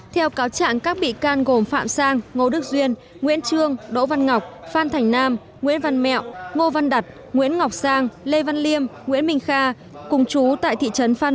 theo cáo trạng các bị can gồm phạm sang ngô đức duyên nguyễn trương đỗ văn ngọc phan thành nam nguyễn văn mẹo ngô văn đặt nguyễn ngọc sang lê văn liêm nguyễn minh kha cùng chú tại thị trấn phan